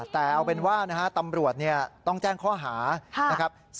แต่เอาเป็นว่านะฮะตำรวจต้องแจ้งข้อหานะครับ